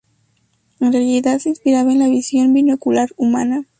En realidad se inspiraba en la visión binocular humana.